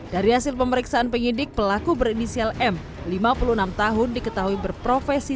dari hasil pemeriksaan penyidik pelaku berinisial m lima puluh enam tahun diketahui berprofesi